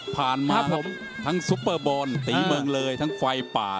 ผ่านมาทั้งซุปเปอร์โบนตีเมืองเลยทั้งไฟล์ป่า